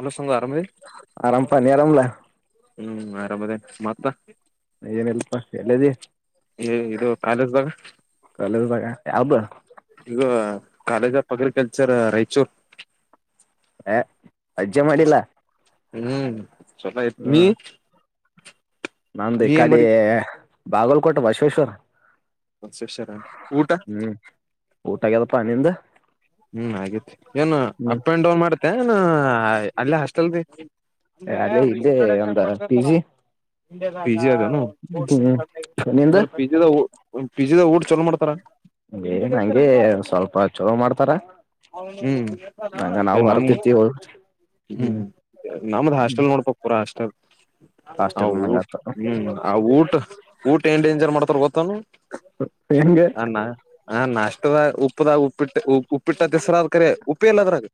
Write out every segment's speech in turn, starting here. ಅಲ್ಲಸಂಗ ಆರಾಮದಿ ಆರಾಮ ಪಾ ನೀ ಅರಮಲಾ ಹ್ಮ್ ಆರಾಮದೇನ ಮತ್ತ ಏನ ಇಲ್ಲಪಾ ಎಲ್ಲಿ ಅದಿ ಇದು ಕಾಲೇಜ್ದಾಗ ಕಾಲೇಜದಾಗ ಯಾವ್ದ ಈಗ ಕಾಲೇಜ್ ಆಫ್ ಅಗ್ರಿಕಲ್ಚರ್ ರಾಯಚೂರ್ ಏ ಅಜ್ಜಿ ಮಾಡಿಲ್ಲ ಹ್ಮ್ ಚುಲೋ ಇತ್ತ ನೀ ನಂದ ಈ ನೀ ಏನ್ ಕಡೆ ಮಾಡಿ ಬಾಗಲ್ಕೋಟ ಬಸವೇಶ್ವರ ಕನ್ಸ್ಟ್ರಕ್ಷನ್ ಊಟ ಹ್ಮ್ ಊಟ ಅಗೆದಪಾ ನಿಂದ ಹ್ಮ್ ಅಗೆತಿ ಏನ ಅಪ್ ಅಂಡ್ ಡೌನ್ ಮಾಡತ್ತೇ ಏನ ಅಲ್ಲೇ ಹಾಸ್ಟೆಲ್ ಅದೇ ಇದೇ ನಮ್ಮದ ಪಿಜಿ ಪಿ ಜಿ ಅದೇನು ಹೂ ಹೂ ನಿಂದು ಅಂದ್ರ ಪಿ ಜಿದ ಪಿ ಜಿದ ಊಟ ಚಲೋ ಮಾಡ್ತಾರ ಏನ ಹಂಗೆ ಸ್ವಲ್ಪ ಚುಲೋ ಮಾಡ್ತಾರ ಹ್ಮ್ ಹಗ ನಾವು ಏ ಹೊರಗ ನಮ್ ತಿಂತೀವ ಹ್ಮ್ ನಮ್ದ್ ಹಾಸ್ಟೆಲ್ ನೋಡ್ಬಕ್ ಪೂರ ಹಾಸ್ಟೆಲ್ ಆ ಹಾಸ್ಟೆಲ್ ನಂಗ ಊಟ್ ಆತ ಹ್ಮ್ ಆ ಊಟ ಊಟ ಏನ್ ಡೇಂಜರ್ ಮಾಡ್ತಾರ ಗೊತ್ತ ಏನ ಹೆಂಗೆ ಹಾ ನಾಷ್ಟದ ಉಪ್ಪದ ಉಪ್ಪಿಟ್ಟ ಉಪ್ಪಿಟ್ಟ ದ ಹೆಸ್ರ ಆದ್ ಕರಿ ಉಪ್ಪ ಎಲ್ಲದ್ರಾಗ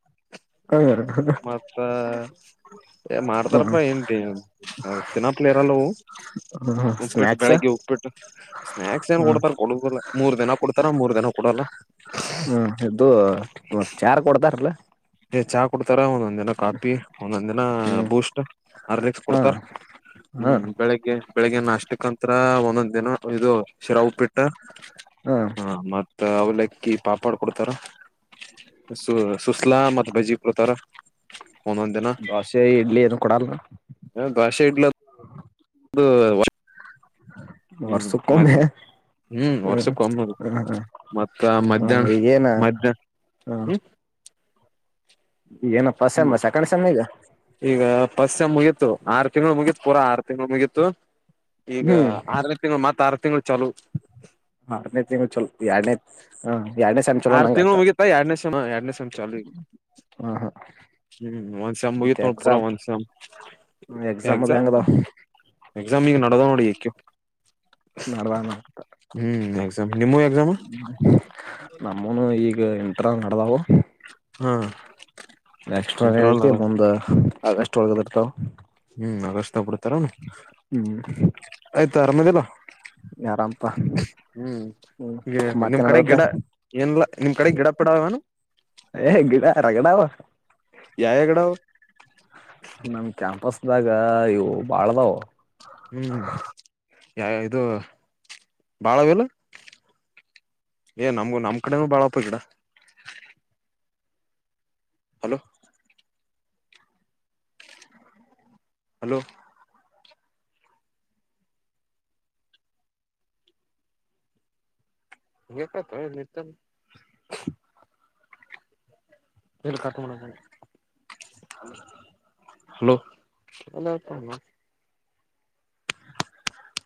[unintelligible] ಮತ್ತಾ ಏನ್ ಮಾಡ್ತಾರಪ್ಪಾ ಏನ್ಟ [unintelligible] ಹೌ ತಿನಪ್ಲೆ ಇರಲ್ಲವು ಉಪ್ಪಿಟ್ಟು ಸ್ನ್ಯಾಕ್ಸ್ ಬೆಳಗ್ಗೆ ಉಪ್ಪಿಟ್ಟು ಸ್ನ್ಯಾಕ್ಸ್ ಏನ್ ಹ್ಮ್ ಕೊಡ್ತಾರ. ಹಳ [unintelligible] ಮೂರ್ ದಿನ ಕೊಡ್ತಾರ. ಮೂರ್ ದಿನಾ - ಹ್ಮ ಇದು ಮತ್ತೆ ಚಾಹಾ ರ ಕೊಡ್ತಾರಲಾ ಚಹಾ ಕೊಡ್ತಾರ ಒಂದೊಂದ್ ದಿನ ಕಾಫಿ, ಒಂದೊಂದ್ ದಿನ ಹ್ಮ್ ಬೂಸ್ಟ್, ಹಾರ್ಲಿಕ್ಸ್ ಹಾ ಕೊಡ್ತಾರ. ಹಾ ಹ್ಮ್, ಬೆಳಿಗ್ಗೆ ಬೆಳಿಗ್ಗ ನಾಷ್ಟಕ್ಕಂತ್ರ ಒಂದೊಂದ್ ದಿನ ಇದು ಶಿರ ಉಪಿಟ್ಟು. ಹಾ ಹ ಮತ್ತ ಅವಲ್ಲಕ್ಕಿ ಪಾಪಡ್ ಕೊಡ್ತಾರ. ಸು ಸುಸ್ತ [unintelligible] ಸುಸ್ಲಾ ಮತ್ತೆ ಬಜ್ಜಿ ಕೊಡ್ತಾರ ಒಂದೊಂದ್ ದಿನ. ದೋಸೆ ಇಡ್ಲಿ ಏನು ಕೊಡಲ್ಲ ಭಾಷೆ ಇಡ್ಲ [unintelligible] [inaudible] ಹ್ಮ್ ವರ್ಷುಕ ಮತ್ ಒಮ್ಮೆ. ಹ್ಮ್ ಹ್ಮ ಹ್ಮ ಮತ್ತ ಮಧ್ಯಾಹ್ನ ಹ್ಮ ಏನ್ ಮಧ್ಯಾಹ್ನ ಹ್ಮ್. ಏನ ಫಸ್ಟ್ ಹ್ಮ್ ಸೆಮ್ಮ ಸೆಕಂಡ್ ಸೆಮ್ಮ ಈಗ. ಈಗ ಪಸ್ಟ ಸೇಮ್ ಮುಗೀತು ಆರು ತಿಂಗಳು ಮುಗೀತು ಪೂರಾ ಆರು ತಿಂಗಳು ಮುಗೀತು. ಈಗ ಆರನೇ ತಿಂಗಳು ಮತ್ ಆರು ತಿಂಗಳು ಚಲೂ. ನಾಲ್ಕನೇ ತಿಂಗಳು ಚಲು ಎಡನೆ. ಹಾ ಎರಡನೇ ಸೇಮ್ ಚಲೋ ಆರ್ ಅನಂಗತ್ತ ತಿಂಗಳು ಮುಗಿತಾ ಎರಡನೇ ಸೆಮ್ ಎರಡನೇ ಸೆಮ್ ಚಾಲು ಈಗ ಹ ಹಾ. ಹ್ಮ್ ಒನ್ ಸೆಮ್ ಮುಗೀತು ಪೂರ ಒನ್ ಸೆಮ್ ಅದ ಎಕ್ಸಾಮ್. ಹೆಂಗದಾವ ಎಕ್ಸಾಮ್ ಈಗ ನದಡವ ನೋಡಿ ಈಗ ಕೆಳ ನಡದಾನ ಹ್ಮ್ ಎಕ್ಸಾಮ್ ನಿಮ್ಮವು ಎಕ್ಸಾಮ್. [inaudible] ನಮ್ಮೂನು ಈಗ ಇಂಟ್ರನಲ್ ನಡದಾವ. ಹ್ಮ. ನೆಕ್ಸ್ಟ್ ಅದೇ ಐತಿ ಮುಂದ್ ಆಗಸ್ಟ್ ಒಳಗ ಇರ್ತಾವ. ಹ್ಮ್ ಅಗಷ್ಟತಗ ಬಿಡ್ತಾರನು. ಹ್ಮ್ ಆಯ್ತು ಆರಾಮದಿ ಇಲ್ಲ ಆರಾಮಪಾ ಹ್ಮ್. ಹ್ಮ್ ಹ ಮತ್ತೆ ನಿಮ್ ಕಡೆ ನಡದತ್ತ ಗಿಡ ಇಲ್ಲಾ ನಿಮ್ ಕಡೆ ಗಿಡ ಪಡಾವನು. ಏ ಗಿಡಾ ರಗಡಾವ. ಯಾವಾಗಿಡವು. ನಮ ಕ್ಯಾಂಪಸದಾಗ ಇವು ಬಾಳ್ದವು. ಹ್ಮ್ ಯಾವವ ಇದು ಬಾಳವಲ. ಏ ನಮ್ ನಮ್ಮ ಕಡೆೇನು ಬಾಳಪ್ಪ ಗಿಡ. ಹಲೋ. ಹಲೋ. ಮುಗೆತಕ ಇಲ್ಲಿ ಇರತನ. ವೀಲ್ ಕಟ ಮಾಡಾಕ ಬಂದೆ ಹಲೋ ಎಲ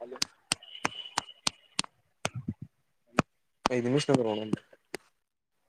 ಹಲೋ. ಐದ ನಿಮಿಷ ನಿಂದ್ರು ಅಣ್ಣೋ ಅಂದೇ.